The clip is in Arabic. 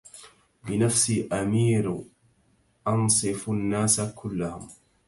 بنفسي أمير أنصف الناس كلهم